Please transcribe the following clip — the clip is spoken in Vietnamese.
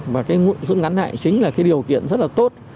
và cái rút ngắn lại chính là cái điều kiện rất là tốt